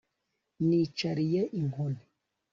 Nicariye inkoni